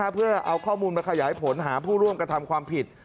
เพื่อเอาข้อมูลมาขยายผลหาผู้ร่วมกระทำความผิด